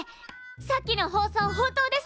さっきの放送本当ですか！？